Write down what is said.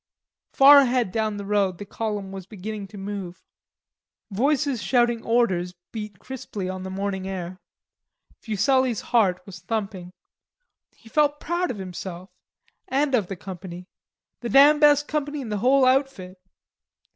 Far ahead down the road the column was beginning to move. Voices shouting orders beat crisply on the morning air. Fuselli's heart was thumping. He felt proud of himself and of the company the damn best company in the whole outfit.